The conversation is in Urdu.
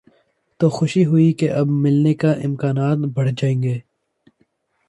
تو خوشی ہوئی کہ اب ملنے کے امکانات بڑھ جائیں گے۔